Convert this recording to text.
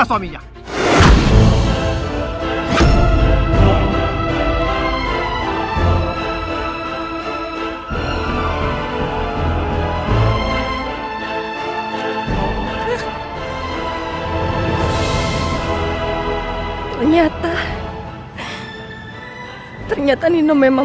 sendiri lagi di jalan